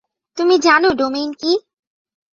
তুমি জানো ডোমেইন কী?